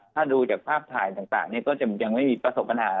ถ้าดูจากภาพถ่ายต่างก็จะยังไม่มีประสบปัญหา